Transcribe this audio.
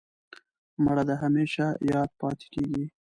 مړه د همېشه یاد پاتېږي